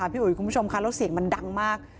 พี่อุ๋ยคุณผู้ชมค่ะแล้วเสียงมันดังมาก